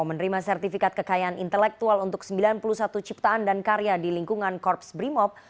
menerima sertifikat kekayaan intelektual untuk sembilan puluh satu ciptaan dan karya di lingkungan korps brimob